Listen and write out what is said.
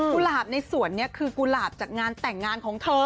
หลาบในสวนนี้คือกุหลาบจากงานแต่งงานของเธอ